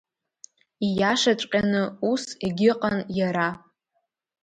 Ииашаҵәҟьаны ус егьыҟан иара.